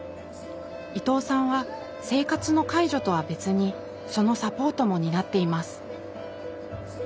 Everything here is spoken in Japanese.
伊藤さんは生活の介助とは別にそのサポートも担っています。